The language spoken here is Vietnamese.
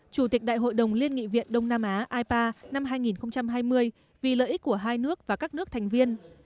chủ tịch đại hội đồng liên nghị viện đông nam á ipa năm hai nghìn hai mươi vì lợi ích của hai nước và các nước thành viên